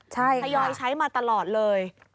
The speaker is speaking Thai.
ใช่ค่ะทยอยใช้มาตลอดเลย